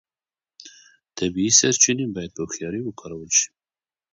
طبیعي سرچینې باید په هوښیارۍ وکارول شي.